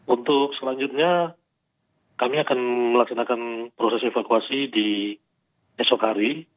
untuk selanjutnya kami akan melaksanakan proses evakuasi di esok hari